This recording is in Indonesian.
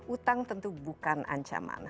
utang tentu bukan ancaman